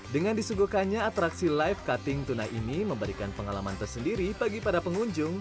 dengan disuguhkannya atraksi live cutting tuna ini memberikan pengalaman tersendiri bagi para pengunjung